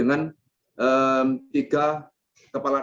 gewesen lshow ini juga saling dituntutkanhaitat